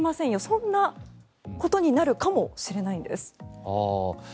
そんなことになるかもしれないんです。